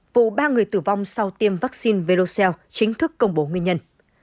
vụ ba người tử vong sau tiêm vaccine verocell chính thức công bố nguyên nhân